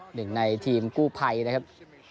หนึ่งในทีมกู้ภัยนะครับ